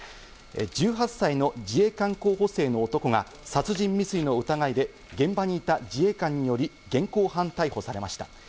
１８歳の自衛官候補生の男が殺人未遂の疑いで現場にいた自衛官により、現行犯逮捕されました。